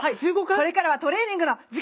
これからはトレーニングの時間。